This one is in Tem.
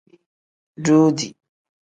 Duudi.